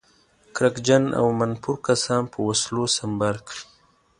کرکجن او منفور کسان په وسلو سمبال کړي.